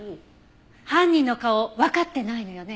犯人の顔わかってないのよね？